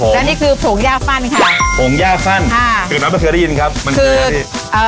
แล้วนี่คือภงย่าพรรดิ์ค่ะภงย่าพรรดิ์ค่ะคือเราก็เคยได้ยินครับมันคือ